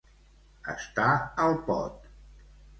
Estar al pot.